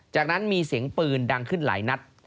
จากนั้นมีเสียงปืนดังขึ้นหลายนัด